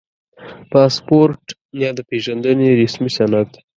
• پاسپورټ یا د پېژندنې رسمي سند